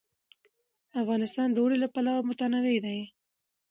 افغانستان د اوړي له پلوه متنوع دی.